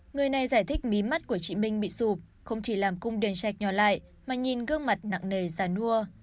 người này giải thích mí mắt của chị minh bị sụp không chỉ làm cung đường sạch nhỏ lại mà nhìn gương mặt nặng nề giả nua